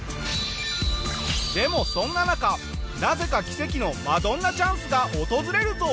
でもそんな中なぜか奇跡のマドンナチャンスが訪れるぞ！